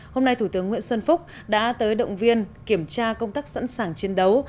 hôm nay thủ tướng nguyễn xuân phúc đã tới động viên kiểm tra công tác sẵn sàng chiến đấu